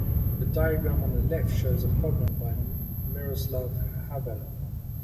The diagram on the left shows a problem by Miroslav Havel.